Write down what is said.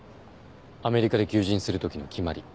アメリカで求人する時の決まり。